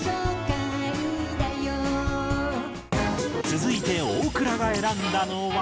続いて大倉が選んだのは。